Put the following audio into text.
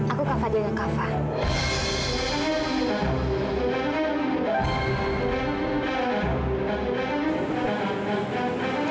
aku kak fadil dan kak fadil